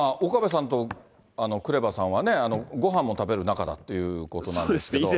岡部さんとクレバさんはね、ごはんも食べる仲だということなんですけど。